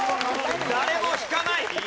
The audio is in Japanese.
誰も引かない！